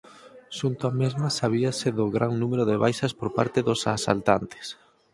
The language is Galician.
Xunto á mesma sabíase do gran número de baixas por parte dos asaltantes.